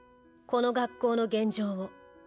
この学校の現状を。